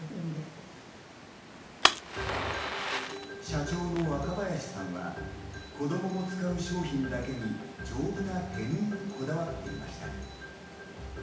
社長の若林さんは子どもも使う商品だけに丈夫な手縫いにこだわっていました。